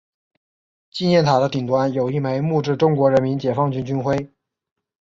纪念塔的顶端有一枚木质中国人民解放军军徽。